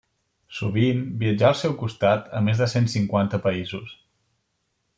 Sovint, viatjar al seu costat, a més de cent cinquanta països.